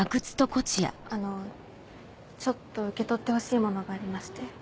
あのちょっと受け取ってほしい物がありまして。